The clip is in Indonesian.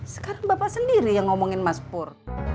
sekarang bapak sendiri yang ngomongin mas pur